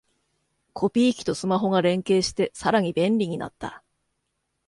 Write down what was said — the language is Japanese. コピー機とスマホが連携してさらに便利になった